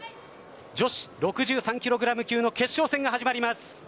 女子６３ｋｇ級の決勝戦が始まります。